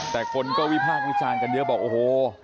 แต่คนก็วิพากรุงอาจารย์กันเดียวบอกโอ้โฮ